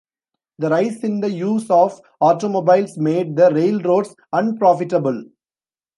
The rise in the use of automobiles made the railroads unprofitable.